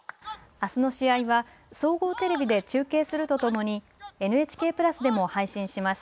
あすの試合は総合テレビで中継するとともにＮＨＫプラスでも配信します。